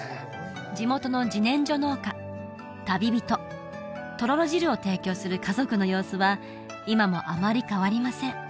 地元の自然薯農家旅人とろろ汁を提供する家族の様子は今もあまり変わりません